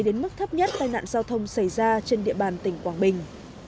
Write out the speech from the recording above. đến mức thấp nhất tai nạn giao thông xảy ra trên địa bàn tỉnh quảng bình